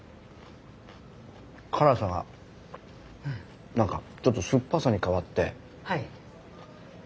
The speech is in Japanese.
辛さがなんかちょっと酸っぱさに変わって食べやすい。